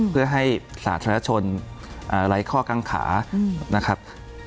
เพื่อให้สาธารณชนไร้ข้อกังขานะครับ